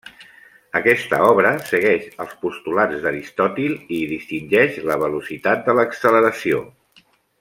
Aquesta obra segueix els postulats d'Aristòtil i hi distingeix la velocitat de l'acceleració.